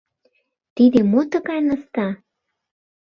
— Тиде мо тыгай наста?